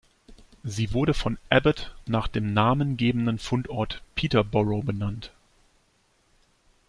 Sie wurde von Abbott nach dem namengebenden Fundort Peterborough benannt.